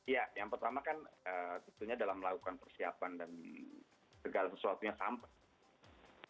ya yang pertama kan tentunya dalam melakukan persiapan dan segala sesuatunya sampai